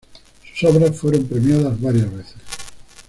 Sus obras fueron premiadas varias veces.